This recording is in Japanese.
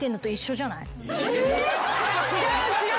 違う違う。